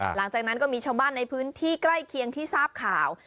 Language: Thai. หลังจากนั้นก็มีชาวบ้านในพื้นที่ใกล้เคียงที่ทราบข่าว